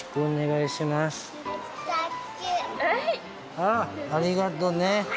あぁありがとね。